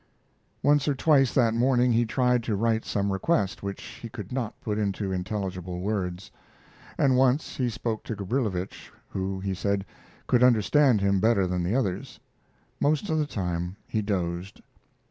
Once or twice that morning he tried to write some request which he could not put into intelligible words. And once he spoke to Gabrilowitsch, who, he said, could understand him better than the others. Most of the time he dozed.